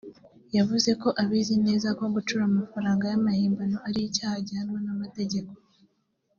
yavuze ko abizi neza ko gucura amafaranga y’amahimbano ari icyaha gihanwa n’amategeko